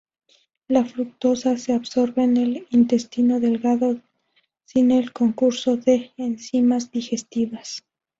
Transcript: La fructosa se absorbe en el intestino delgado sin el concurso de enzimas digestivas.